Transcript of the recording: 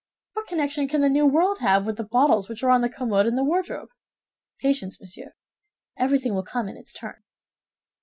"What connection can the New World have with the bottles which are on the commode and the wardrobe?" "Patience, monsieur, everything will come in its turn."